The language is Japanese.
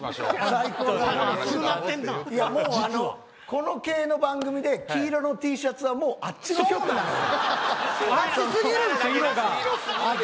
この系の番組で黄色のＴシャツはもうあっちの局なのよ。